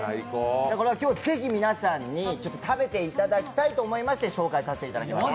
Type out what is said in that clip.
今日ぜひ皆さんに食べていただきたいと思いまして、紹介させていただきました。